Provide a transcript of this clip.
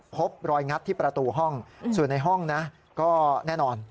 พบรอยงัดที่ประตูห้องส่วนในห้องนะก็แน่นอน